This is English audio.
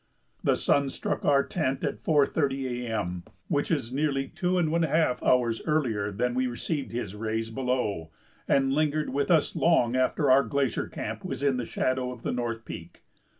The sun struck our tent at 4.30 A. M., which is nearly two and one half hours earlier than we received his rays below, and lingered with us long after our glacier camp was in the shadow of the North Peak.